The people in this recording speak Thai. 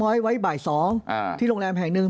เพราะอาชญากรเขาต้องปล่อยเงิน